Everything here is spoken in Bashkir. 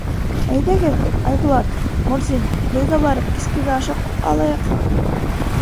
— Әйҙәгеҙ, Айбулат, Мурзин, беҙгә барып кискегә ашап алайыҡ.